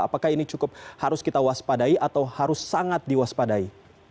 apakah ini cukup harus kita waspadai atau harus sangat diwaspadai